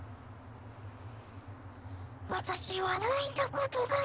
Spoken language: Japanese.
「私は泣いたことがない」